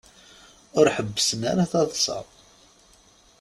Ur ḥebbesen ara taḍsa.